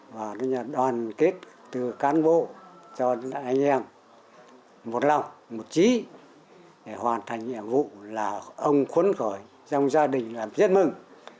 và đoàn kết từ cán bộ cho anh em một lòng một trí để hoàn thành nhiệm vụ là ông khuấn khởi trong gia đình làm rất mừng